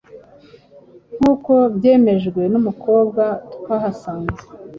nk’uko byemejwe n’umukobwa twahasanze